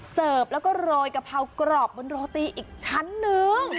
เสิร์ฟแล้วก็โรยกะเพรากรอบบนโรตีอีกชั้นนึง